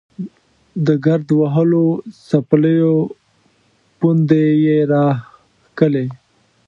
د ګرد وهلو څپلیو پوندې یې راښکلې.